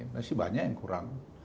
masih banyak yang kurang